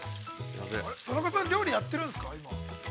◆田中さん、料理やってるんですか、今。